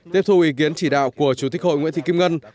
tiếp thu ý kiến chỉ đạo của chủ tịch hội nguyễn thị kim ngân